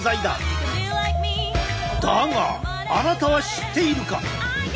だがあなたは知っているか？